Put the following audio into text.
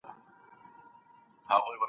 ولي د بشري حقونو راپورونه خپریږي؟